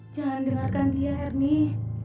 jangan dengarkan dia ernie